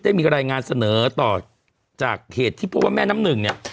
ได้มีรายงานเสนอต่อจากเหตุที่พบว่าแม่น้ำหนึ่งเนี่ย